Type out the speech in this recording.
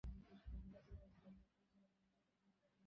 আপনি কি বাঘ না ভালুক?